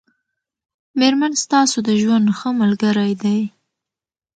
مېرمن ستاسو د ژوند ښه ملګری دی